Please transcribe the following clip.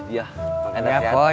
ya makasih ya poy